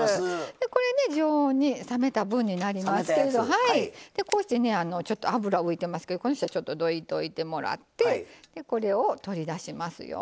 これね常温に冷めた分になりますけれどちょっと脂浮いてますけどどいといてもらってこれを取り出しますよ。